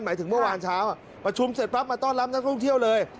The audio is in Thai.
หมายถึงเมื่อวานเช้าประชุมเสร็จปั๊บมาต้อนรับนักท่องเที่ยวเลย